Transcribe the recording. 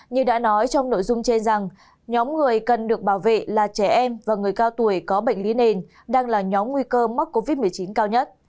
như đã nói trong nội dung chê rằng nhóm người cần được bảo vệ là trẻ em và người cao tuổi có bệnh lý nền đang là nhóm nguy cơ mắc covid một mươi chín cao nhất